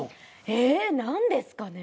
え何ですかね？